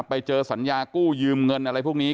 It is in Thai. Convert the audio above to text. ไปเจอสัญญากู้ยืมเงินอะไรพวกนี้